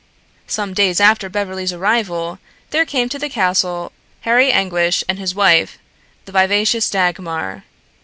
Some days after Beverly's arrival there came to the castle Harry Anguish and his wife, the vivacious Dagmar.